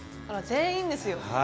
あら全員ですよ。